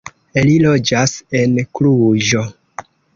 Li loĝas en Kluĵo.